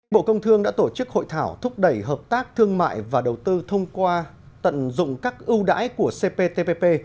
bộ công thương đã tổ chức hội thảo thúc đẩy hợp tác thương mại và đầu tư thông qua tận dụng các ưu đãi của cptpp